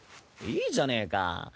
いいじゃねえか。